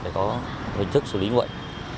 để có hình thức xử lý nguội